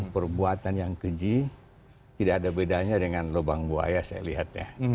perbuatan yang keji tidak ada bedanya dengan lubang buaya saya lihat ya